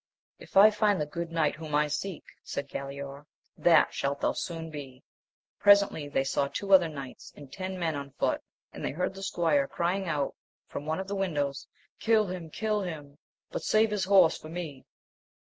If I find the good knight whom I seek, said Galaor, that shalt thou soon be. Presently they saw two other knights and ten men on foot, and they heard the squire crying from one of the windows, E^ him ! kill him ! but save his horse fot me.